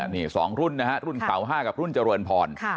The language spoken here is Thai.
นี่๒รุ่นนะฮะรุ่นเสา๕กับรุ่นเจริญพร